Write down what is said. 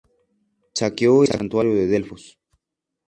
Saqueó el Santuario de Delfos.